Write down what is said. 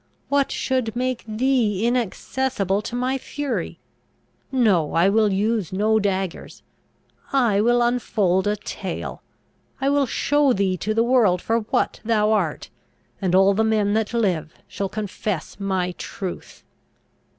What should make thee inaccessible to my fury? No, I will use no daggers! I will unfold a tale! I will show thee to the world for what thou art; and all the men that live, shall confess my truth!